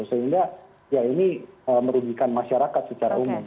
sehingga ya ini merugikan masyarakat secara umum